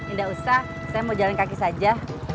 tidak usah saya mau jalan kaki saja